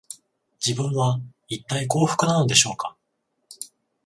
自分は、いったい幸福なのでしょうか